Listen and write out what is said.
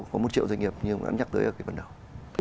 của một triệu doanh nghiệp như ông đã nhắc tới ở cái vần đầu